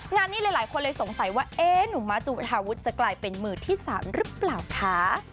งานนี้หลายคนเลยสงสัยว่าเอ๊ะหนุ่มมาจุธาวุฒิจะกลายเป็นมือที่๓หรือเปล่าคะ